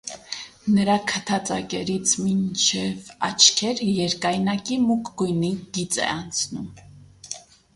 Նրա քթածակերից մինչև աչքեր երկայնակի մուգ գույնի գիծ է անցնում։